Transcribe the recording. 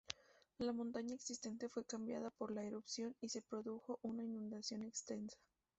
La montaña existente fue cambiada por la erupción, y se produjo una inundación extensa.